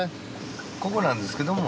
ここなんですけども。